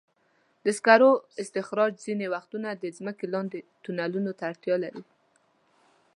د سکرو استخراج ځینې وختونه د ځمکې لاندې تونلونو ته اړتیا لري.